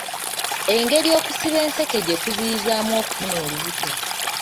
Engeri okusiba enseke gye kuziyizaamu okufuna olubuto.